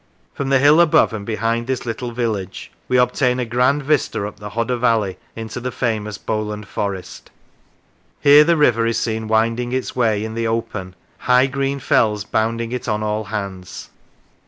From the hill above and behind this little village we obtain a grand vista up the Hodder valley into the famous Bowland Forest. Here the river is seen winding its way in the open : high green fells bounding it on all hands.